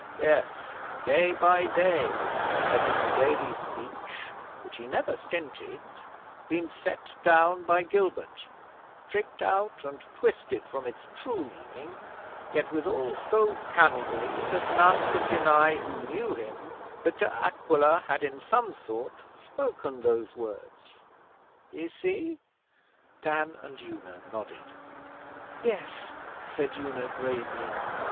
Yes, day by day had his daily speech, which he never stinted, been set down by Gilbert, tricked out and twisted from its true meaning, yet withal so cunningly that none could deny who knew him that De Aquila had in some sort spoken those words. Ye see?' Dan and Una nodded. 'Yes,' said Una gravely.